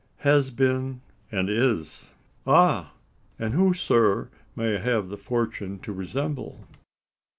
"Has been, and is." "Ah! and who, sir, may I have the fortune to resemble?"